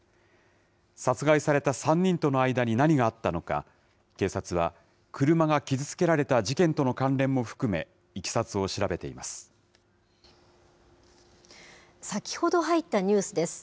殺害された３人との間に何があったのか、警察は車が傷つけられた事件との関連も含め、いきさつを調べてい先ほど入ったニュースです。